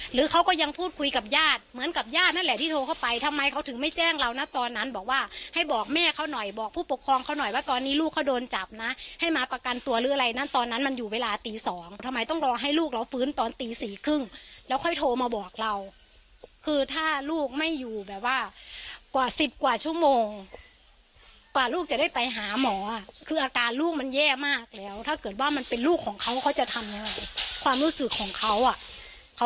หรือเขาก็ยังพูดคุยกับญาติเหมือนกับญาตินั่นแหละที่โทรเข้าไปทำไมเขาถึงไม่แจ้งเรานะตอนนั้นบอกว่าให้บอกแม่เขาหน่อยบอกผู้ปกครองเขาหน่อยว่าก่อนนี้ลูกเขาโดนจับนะให้มาประกันตัวหรืออะไรนั้นตอนนั้นมันอยู่เวลาตี๒ทำไมต้องรอให้ลูกเราฟื้นตอนตี๔ครึ่งแล้วค่อยโทรมาบอกเราคือถ้าลูกไม่อยู่แบบว่ากว่า๑๐ก